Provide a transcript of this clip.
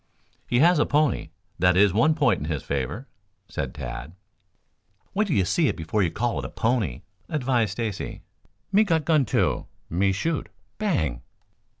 "He has a pony. That is one point in his favor," said Tad. "Wait till you see it before you call it a pony," advised Stacy. "Me got gun, too. Me shoot. Bang!"